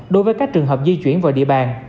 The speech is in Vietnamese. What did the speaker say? đối với các trường hợp di chuyển vào địa bàn